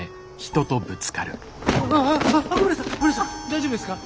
大丈夫ですか？